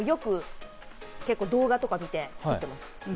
動画とか見て、よく作ってます。